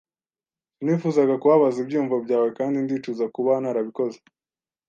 Sinifuzaga kubabaza ibyiyumvo byawe, kandi ndicuza kuba narabikoze.